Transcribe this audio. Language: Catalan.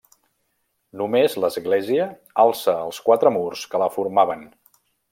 Només l'església alça els quatre murs que la formaven.